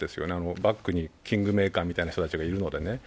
バックにキングメーカーみたいな人たちがいるのでね。